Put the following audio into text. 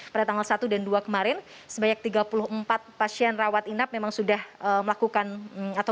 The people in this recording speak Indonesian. pada tanggal satu dan dua kemarin sebanyak tiga puluh empat pasien rawat inap memang sudah melakukan atau